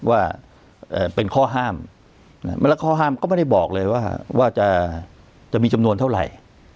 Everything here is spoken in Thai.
ว่าเป็นข้อห้ามแล้วข้อห้ามก็ไม่ได้บอกเลยว่าจะมีจำนวนเท่าไหร่